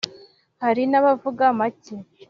hari n’abavuga make